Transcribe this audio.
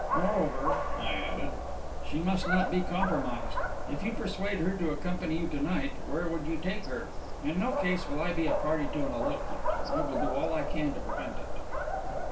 Moreover," I added, "she must not be compromised. If you persuade her to accompany you to night, where would you take her? In no case, will I be a party to an elopement I will do all I can to prevent it."